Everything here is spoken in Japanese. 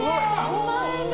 ３万円が。